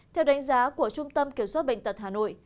theo đánh giá của trung tâm kiểm soát bệnh tật hà nội